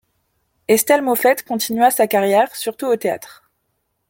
Estelle Mauffette continua sa carrière surtout au théâtre.